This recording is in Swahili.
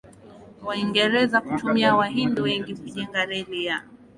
Waingereza kutumia Wahindi wengi kujenga reli ya